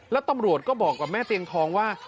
แล้วตำรวจก็บอกกับแม่เตียงทองว่า